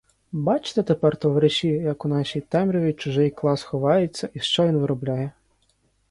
Бачите тепер, товариші, як у нашій темряві чужий клас ховається і що він виробляє?